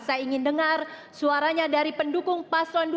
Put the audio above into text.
saya ingin dengar suaranya dari pendukung paslon dua